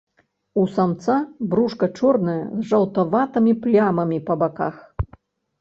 У самца брушка чорнае з жаўтаватымі плямамі па баках.